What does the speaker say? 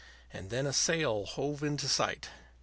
And then a sail hove in sight.